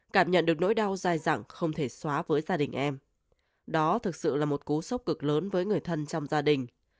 cảm nhận được nỗi đau dài dẳng không thể xóa với gia đình em đó thực sự là một cú sốc cực lớn với người thân trong gia đình